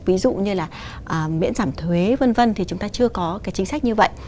ví dụ như là miễn giảm thuế v v thì chúng ta chưa có cái chính sách như vậy